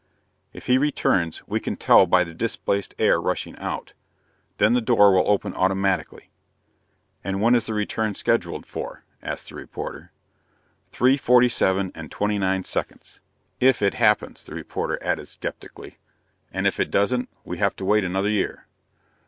"If he returns, we can tell by the displaced air rushing out. Then the door will open automatically." "And when is the return scheduled for?" asked the reporter. "Three forty seven and twenty nine seconds." "If it happens," the reporter added skeptically. "And if it doesn't, we have to wait another year."